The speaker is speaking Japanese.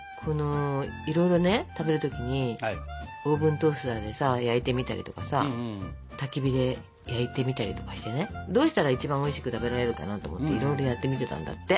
いろいろね食べる時にオーブントースターでさ焼いてみたりとかさたき火で焼いてみたりとかしてねどうしたら一番おいしく食べられるかなと思っていろいろやってみてたんだって。